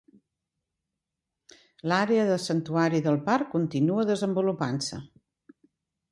L'àrea de santuari del parc continua desenvolupant-se.